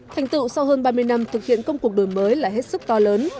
thành tựu sau hơn ba mươi năm thực hiện công cuộc đổi mới là hết sức to lớn